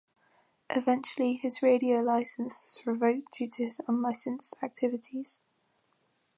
Eventually his radio license was revoked due to his unlicensed activities.